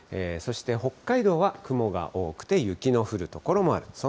そして北海道は雲が多くて、雪の降る所もある。